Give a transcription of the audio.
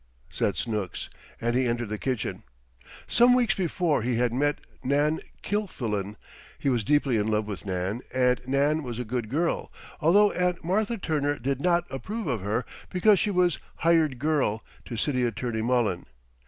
said Snooks, and he entered the kitchen. Some weeks before he had met Nan Kilfillan. He was deeply in love with Nan, and Nan was a good girl, although Aunt Martha Turner did not approve of her, because she was "hired girl" to City Attorney Mullen.